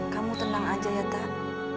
kamu tenang aja ya dak